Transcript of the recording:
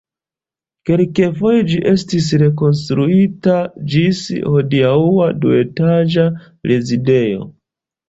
Kelkfoje ĝi estis rekonstruita ĝis hodiaŭa duetaĝa rezidejo.